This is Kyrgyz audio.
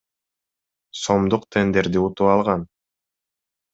сомдук тендерди утуп алган.